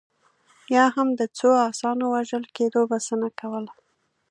یا هم د څو اسونو وژل کېدو بسنه کوله.